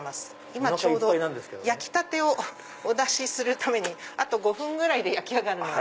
今焼きたてをお出しするためにあと５分ぐらいで焼き上がるので。